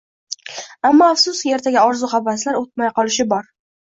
Ammo, afsuski, ertaga orzu-havaslar o‘tmay qolishi bor